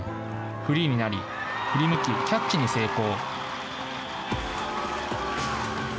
フリーになり、振り向き、キャッチに成功。